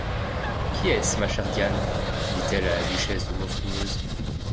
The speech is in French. Qui est-ce, ma chère Diane? dit-elle à la duchesse de Maufrigneuse.